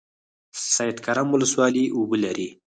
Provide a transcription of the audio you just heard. سید کرم ولسوالۍ اوبه لري؟